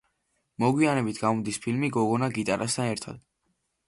მოგვიანებით გამოდის ფილმი „გოგონა გიტარასთან ერთად“.